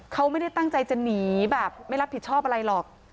เขาไม่ได้ตั้งใจจะหนีแบบไม่รับผิดชอบอะไรหรอก